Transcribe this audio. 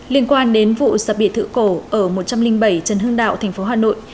liên quan đến vụ sập biệt thự cổ ở một trăm linh bảy trần hương đạo tp hà nội